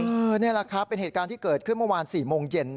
นี่แหละครับเป็นเหตุการณ์ที่เกิดขึ้นเมื่อวาน๔โมงเย็น